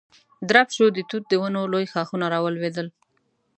درب شو، د توت د ونو لوی ښاخونه را ولوېدل.